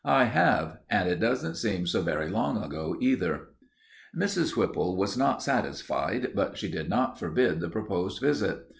"I have, and it doesn't seem so very long ago, either." Mrs. Whipple was not satisfied, but she did not forbid the proposed visit.